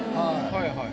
はいはい。